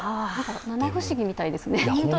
七不思議みたいですね。